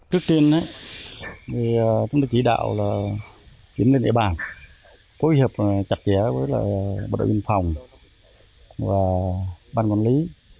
trước tiên chúng tôi chỉ đạo là kiểm tra địa bàn phối hợp chặt kẻ với bộ đội binh phòng và ban quản lý